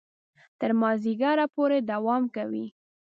تر مازیګره پورې دوام کوي.